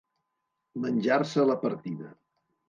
Menjar-se la partida.